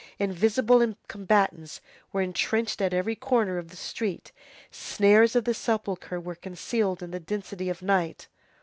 Invisible combatants were entrenched at every corner of the street; snares of the sepulchre concealed in the density of night.